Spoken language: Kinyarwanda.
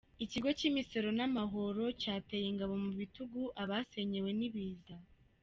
Ikigo cy’Imisoro n’Amahoro cyateye ingabo mu bitugu abasenyewe n’ibiza